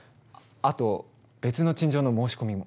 あっ後別の陳情の申し込みも。